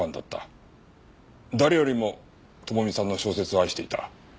誰よりも智美さんの小説を愛していた。